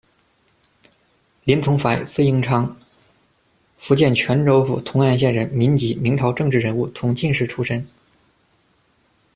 林丛槐，字应昌，福建泉州府同安县人，民籍，明朝政治人物、同进士出身。